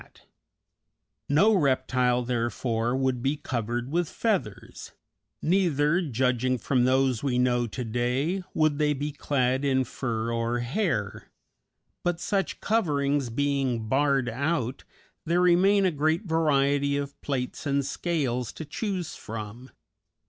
_ No reptile, therefore, would be covered with feathers, neither, judging from those we know to day, would they be clad in fur or hair; but, such coverings being barred out, there remain a great variety of plates and scales to choose from.